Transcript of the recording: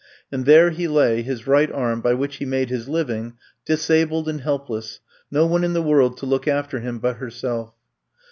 And there he lay, his right arm, by which he made his living, disabled and helpless, no one in the world to look after him but herself.